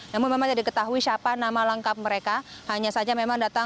namun memang tidak diketahui siapa nama lengkap mereka hanya saja memang datang